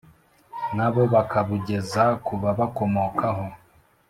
na bo bakabugeza ku babakomokaho